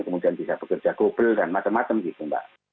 kemudian bisa bekerja gobel dan macam macam gitu mbak